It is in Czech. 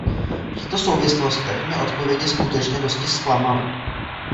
V těchto souvislostech mě odpovědi skutečně dosti zklamaly.